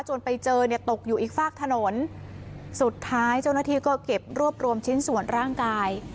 ไปเจอเนี่ยตกอยู่อีกฝากถนนสุดท้ายเจ้าหน้าที่ก็เก็บรวบรวมชิ้นส่วนร่างกาย